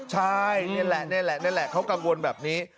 ใช่นี่แหละเขากังวลแบบนี้